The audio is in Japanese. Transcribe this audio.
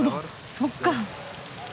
そっか。